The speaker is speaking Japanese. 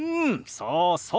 そうそう。